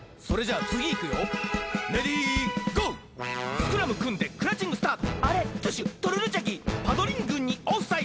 「スクラムくんでクラウチングスタート」「アレトゥシュトルリョチャギパドリングにオフサイド」